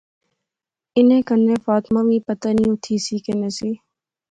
انیں کنے فاطمہ وی۔۔۔ پتہ نی او تھی سی کہ نہسی